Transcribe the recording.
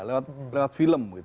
iya lewat film